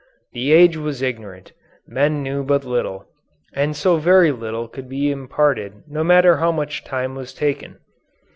The age was ignorant, men knew but little, and so very little could be imparted no matter how much time was taken.